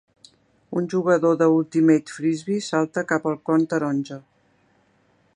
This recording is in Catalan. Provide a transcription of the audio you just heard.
Un jugador de Ultimate Frisbee salta cap al con taronja.